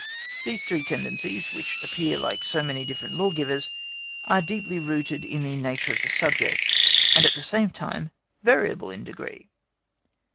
These three tendencies, which appear like so many different law givers, are deeply rooted in the nature of the subject, and at the same time variable in degree.